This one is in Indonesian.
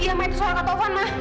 iya mak itu suara kak taufan mak